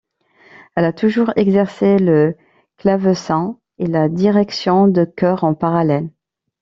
Elle a toujours exercé le clavecin et la direction de chœur en parallèle.